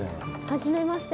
はじめまして。